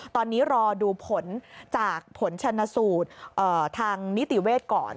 ตอนนี้รอดูผลจากผลชนสูตรทางนิติเวชก่อน